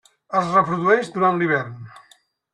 Es reprodueix durant l'hivern.